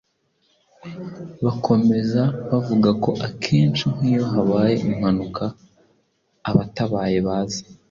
Bakomeza bavuga ko akenshi nk’iyo habaye impanuka abatabaye baza